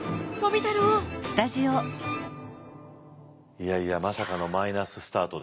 いやいやまさかのマイナススタートですよ。